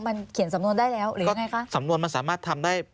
มันเขียนสำนวนได้แล้วหรือยังไงคะสำนวนมันสามารถทำได้